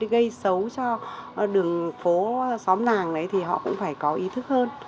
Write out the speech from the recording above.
gây xấu cho đường phố xóm nàng đấy thì họ cũng phải có ý thức hơn